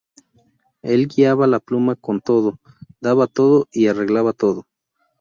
Él guiaba la pluma con todo, daba todo y arreglaba todo.